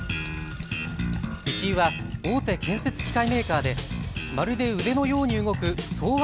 石井は大手建設機械メーカーでまるで腕のように動く双腕